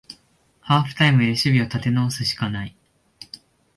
ハーフタイムで守備を立て直すしかない